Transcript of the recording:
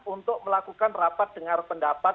untuk melakukan rapat dengar pendapat